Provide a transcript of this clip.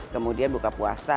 kemudian buka puasa